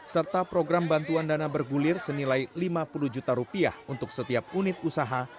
serta program bantuan dana bergulir senilai lima puluh juta rupiah untuk setiap unit usaha